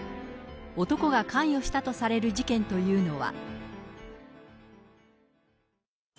男が関与したとされる事件というのは。